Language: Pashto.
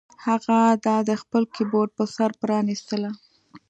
هغه دا د خپل کیبورډ په سر پرانیستله